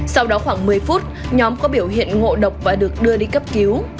sau đó khoảng một mươi phút nhóm có biểu hiện ngộ độc và được đưa đi cấp cứu